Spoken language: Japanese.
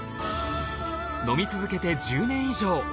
飲み続けて１０年以上。